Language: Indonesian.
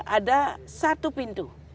ada satu pintu